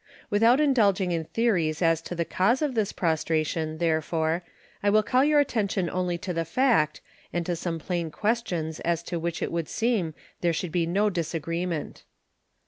Without indulging in theories as to the cause of this prostration, therefore, I will call your attention only to the fact, and to some plain questions as to which it would seem there should be no disagreement.